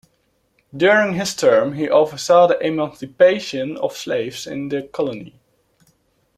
During his term, he oversaw the emancipation of slaves in the colony.